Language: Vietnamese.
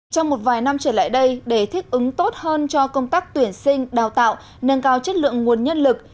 trong một vài năm trở lại đây để thích ứng tốt hơn cho công tác tuyển sinh đào tạo nâng cao chất lượng nguồn nhân lực